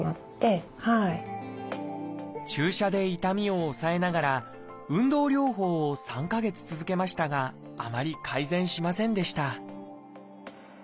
注射で痛みを抑えながら運動療法を３か月続けましたがあまり改善しませんでした